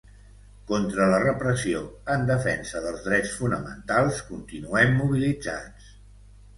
Contra la repressió, en defensa dels drets fonamentals, continuem mobilitzats.